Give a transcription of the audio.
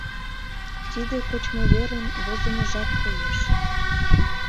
Тиде кочмыверын возымыжат коеш.